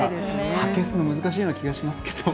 発見するのが難しいような気がしますけど。